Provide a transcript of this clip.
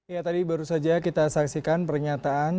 ya tadi baru saja kita saksikan pernyataan